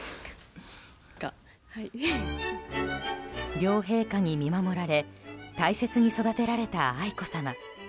両陛下に見守られ大切に育てられた愛子さま。